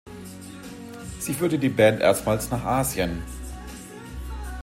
Sie führte die Band erstmals nach Asien.